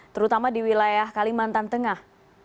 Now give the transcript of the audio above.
terutama di wilayah kalimantan tengah